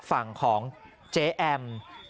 ฝั่งของเจ๊แอม